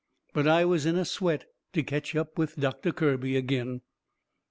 But I was in a sweat to ketch up with Doctor Kirby agin.